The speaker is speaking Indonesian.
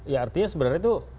ya artinya sebenarnya itu